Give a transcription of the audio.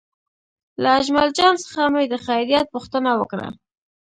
له اجمل جان څخه مې د خیریت پوښتنه وکړه.